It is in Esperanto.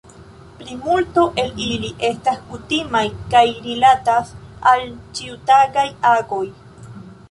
Plimulto el ili estas kutimaj kaj rilatas al ĉiutagaj agoj.